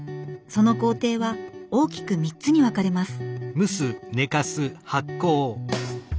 その工程は大きく３つに分かれます。